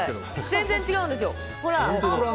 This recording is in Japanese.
全然違うんですよ。